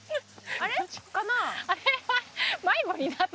あれ？